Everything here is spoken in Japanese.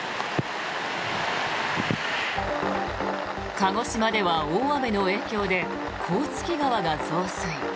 鹿児島では大雨の影響で甲突川が増水。